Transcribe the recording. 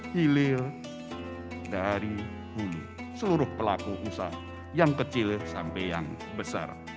hilir dari hulu seluruh pelaku usaha yang kecil sampai yang besar